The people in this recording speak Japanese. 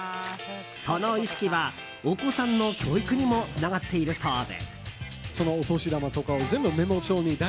その意識は、お子さんの教育にもつながっているそうで。